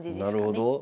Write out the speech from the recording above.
なるほど。